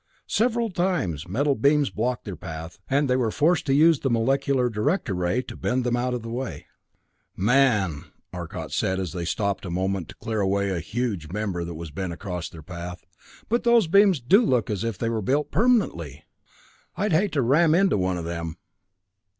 Several times metal beams blocked their path, and they were forced to use the molecular director ray to bend them out of the way. "Man," said Arcot as they stopped a moment to clear away a huge member that was bent across their path, "but those beams do look as if they were built permanently! I'd hate to ram into one of them!